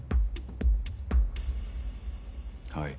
はい。